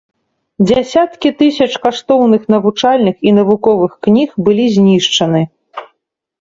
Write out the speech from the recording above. Дзясяткі тысяч каштоўных навучальных і навуковых кніг былі знішчаны.